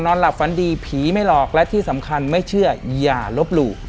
นอนหลับฝันดีผีไม่หลอกและที่สำคัญไม่เชื่ออย่าลบหลู่